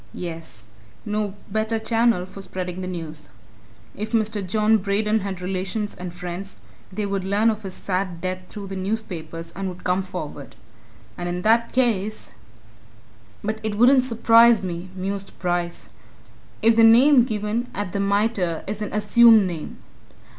yes, no better channel for spreading the news. If Mr. John Braden had relations and friends, they would learn of his sad death through the newspapers, and would come forward. And in that case "But it wouldn't surprise me," mused Bryce, "if the name given at the Mitre is an assumed name.